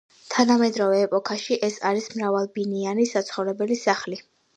თანამედროვე ეპოქაში ეს არის მრავალბინიანი საცხოვრებელი სახლი.